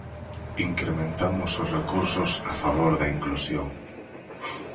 Incrementamos os recursos a favor da inclusión.